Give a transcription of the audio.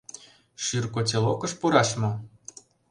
Шӱр котелокыш пураш мо?